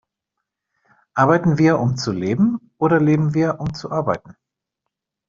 Arbeiten wir, um zu leben oder leben wir, um zu arbeiten?